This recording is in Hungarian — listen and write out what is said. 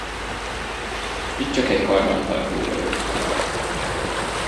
Itt csak egy karbantartó vagyok.